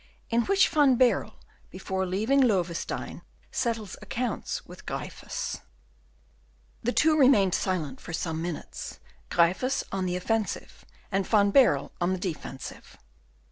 In which Van Baerle, before leaving Loewestein, settles Accounts with Gryphus The two remained silent for some minutes, Gryphus on the offensive, and Van Baerle on the defensive.